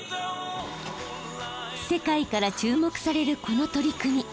世界から注目されるこの取り組み。